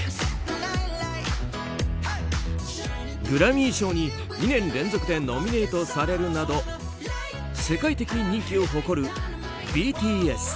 グラミー賞に２年連続でノミネートされるなど世界的人気を誇るＢＴＳ。